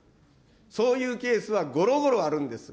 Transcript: そういうケースはごろごろあるんです。